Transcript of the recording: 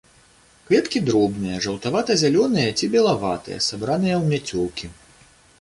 Кветкі дробныя, жаўтавата-зялёныя ці белаватыя, сабраныя ў мяцёлкі.